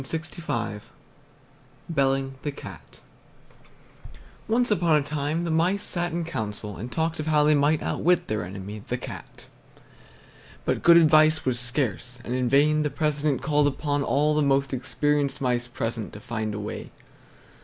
BELLING THE CAT Once upon a time the mice sat in council and talked of how they might outwit their enemy, the Cat. But good advice was scarce, and in vain the president called upon all the most experienced mice present to find a way.